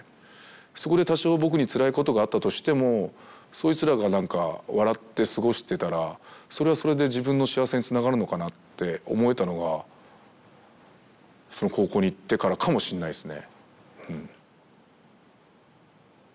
そこで多少僕につらいことがあったとしてもそいつらがなんか笑って過ごしてたらそれはそれで自分の幸せにつながるのかなって思えたのがその高校に行ってからかもしれないですね。